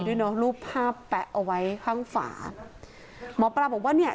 คุณปุ้ยอายุ๓๒นางความร้องไห้พูดคนเดี๋ยว